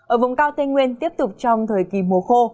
ở vùng cao tây nguyên tiếp tục trong thời kỳ mùa khô